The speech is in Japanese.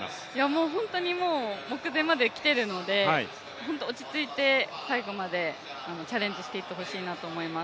もう本当に目前まで来ているので、本当に落ち着いて最後までチャレンジしていってほしいなと思います。